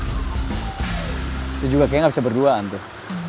itu juga kayaknya gak bisa berduaan tuh